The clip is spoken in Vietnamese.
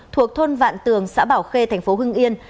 thuộc thôn vạn tường xã bảo khê thành phố hưng yên